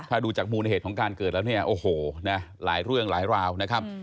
ถ้าดูจากมูลเหตุของการเกิดแล้วเนี่ยโอ้โหนะหลายเรื่องหลายราวนะครับ